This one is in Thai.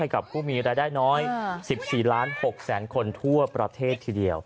กับผู้มีรายได้น้อย๑๔ล้าน๖แสนคนทั่วประเทศทีเดียว